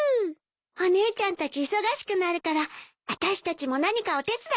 お姉ちゃんたち忙しくなるからあたしたちも何かお手伝いしなくちゃね。